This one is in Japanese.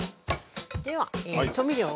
では調味料を。